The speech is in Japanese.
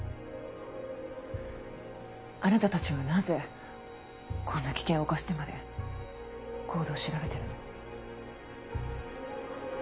あなたたちはなぜこんな危険を冒してまでＣＯＤＥを調べてるの？